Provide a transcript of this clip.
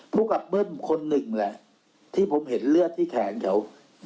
ภูมิกับเบิ้มคนหนึ่งแหละที่ผมเห็นเลือดที่แขนเขา